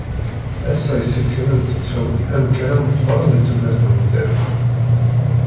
Ass-a iselkimen ṭṭfen amkan meqqren di tudert n umdan.